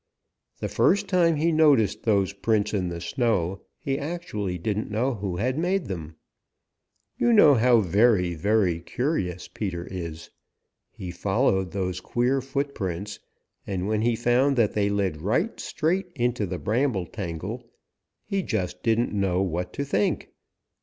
The first time he noticed those prints in the snow, he actually didn't know who had made them. You know how very, very curious Peter is. He followed those queer footprints, and when he found that they led right straight into the bramble tangle, he just didn't know what to think.